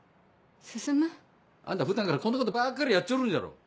進？あんた普段からこんなことばっかりやっちょるんじゃろ。